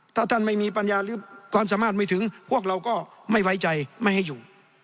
ถ้าท่านไม่มีปัญญาหรือความสามารถไม่ถึงพวกเราก็ไม่ไว้ใจไม่ให้อยู่